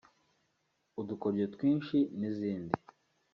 Udukoryo twinshi n’izindi